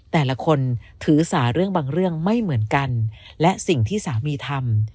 แต่ละคนถือสาเรื่องบางเรื่องไม่เหมือนกันและสิ่งที่สามีทำ